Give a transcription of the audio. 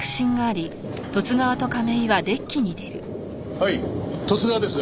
はい十津川ですが。